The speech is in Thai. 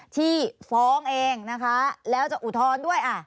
ที่ฟ้องเองนะคะแล้วจะอุทธรณ์ด้วย